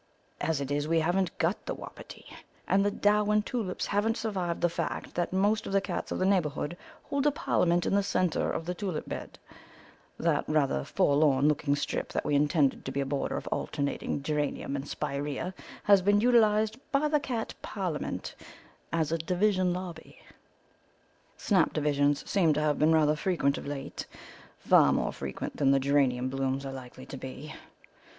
As it is, we haven't got the wapiti, and the Darwin tulips haven't survived the fact that most of the cats of the neighbourhood hold a parliament in the centre of the tulip bed; that rather forlorn looking strip that we intended to be a border of alternating geranium and spiræa has been utilised by the cat parliament as a division lobby. Snap divisions seem to have been rather frequent of late, far more frequent than the geranium blooms are likely to be.